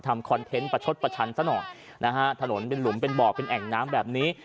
คอนเทนต์ประชดประชันซะหน่อยนะฮะถนนเป็นหลุมเป็นบ่อเป็นแอ่งน้ำแบบนี้